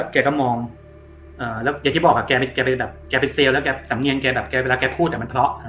แกก็มองอย่างที่บอกแกไปเซลแล้วแสมเงียงแกเวลาแกพูดแบบมันเพราะ